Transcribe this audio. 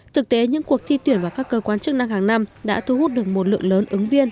thực tế những cuộc thi tuyển vào các cơ quan chức năng hàng năm đã thu hút được một lượng lớn ứng viên